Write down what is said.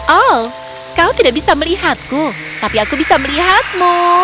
oh kau tidak bisa melihatku tapi aku bisa melihatmu